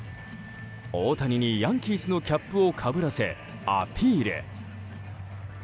大谷にヤンキースのキャップをかぶらせ、アピール。